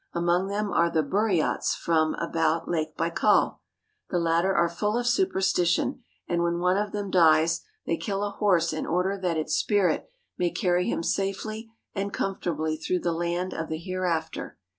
Among them are the Buriats from about Lake Baikal. The latter are full of superstition ; and when one of them dies, they kill a horse in order that its spirit may carry him safely and comfortably through the land of the hereafter.